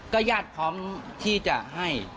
ก็ยัดพร้อมที่จะให้